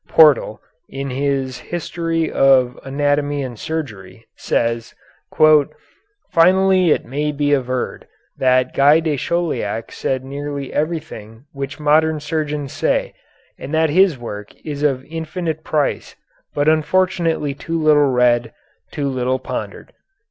Portal, in his "History of Anatomy and Surgery," says, "Finally, it may be averred that Guy de Chauliac said nearly everything which modern surgeons say, and that his work is of infinite price but unfortunately too little read, too little pondered."